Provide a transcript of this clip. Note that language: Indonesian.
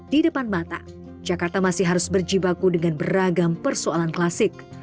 di depan mata jakarta masih harus berjibaku dengan beragam persoalan klasik